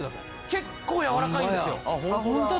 結構やわらかいんですよ。ホンマや。